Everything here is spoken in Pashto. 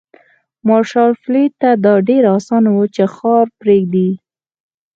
مارشال فيلډ ته دا ډېره اسانه وه چې ښار پرېږدي.